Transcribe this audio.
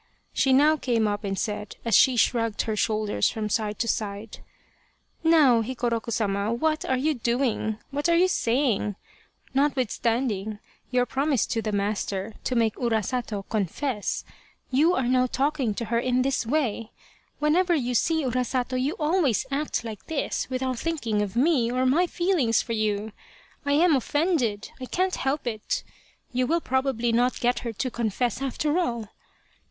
She now came up and said, as she shrugged her shoulders from side to side :" Now Hikoroku Sama what are you doing ? What are you saying ? Notwithstanding your pro mise to the master to make Urasato confess, you are now talking to her in this way. Whenever you see Urasato you always act like this without thinking of me or my feelings for you. I am offended I can't help it ! You will probably not get her to confess after all.